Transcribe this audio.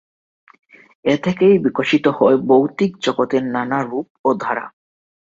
এ থেকেই বিকশিত হয় ভৌতিক জগতের নানা রূপ ও ধারা।